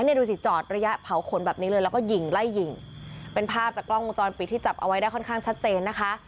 ดูสิจอดระยะเผาขนแบบนี้เลยแล้วก็ยิงไล่ยิงเป็นภาพจากกล้องวงจรปิดที่จับเอาไว้ได้ค่อนข้างชัดเจนนะคะ